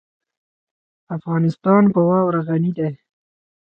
افغانستان په واوره غني دی.